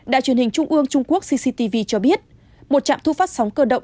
đài truyền hình trung ương trung quốc cctv cho biết một trạm thu phát sóng cơ động